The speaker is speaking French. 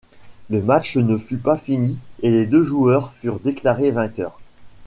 Le match ne fut pas fini et les deux joueurs furent déclarés vainqueurs.